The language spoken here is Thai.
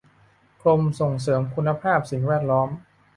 กรมส่งเสริมคุณภาพสิ่งแวดล้อม